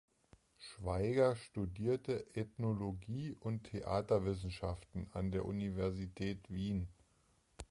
Schwaiger studierte Ethnologie und Theaterwissenschaften an der Universität Wien.